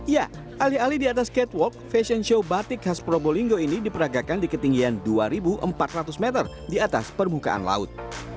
ya alih alih di atas catwalk fashion show batik khas probolinggo ini diperagakan di ketinggian dua empat ratus meter di atas permukaan laut